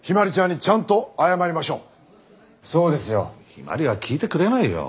陽葵は聞いてくれないよ。